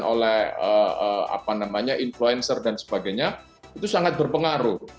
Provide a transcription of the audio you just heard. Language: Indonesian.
oleh apa namanya influencer dan sebagainya itu sangat berpengaruh